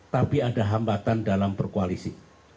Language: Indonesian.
tapi ada hambatan dalam berkoalisi